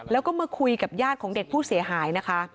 แล้วก็มาคุยกับญาติของเด็กผู้เสียหายนะคะ